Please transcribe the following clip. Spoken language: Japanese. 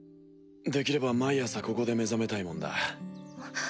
できれば毎朝ここで目覚めたいもんだ。